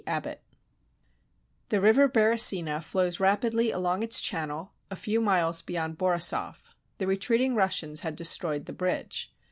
ABBOTT The river Beresina flows rapidly along its channel a few miles beyond Borisoff. The retreating Russians had destroyed the bridge.